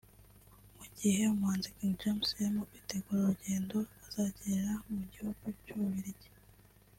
Mu gihe umuhanzi King James arimo kwitegura urugendo azagirira mu gihugu cy’u Bubiligi